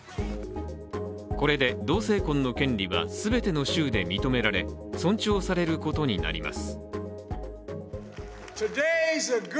これで同性婚の権利は全ての州で認められ尊重されることになります。